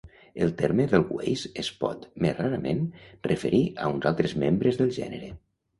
El terme edelweiss es pot, més rarament, referir a uns altres membres del gènere.